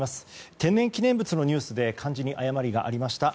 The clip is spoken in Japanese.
天然記念物のニュースで漢字に誤りがありました。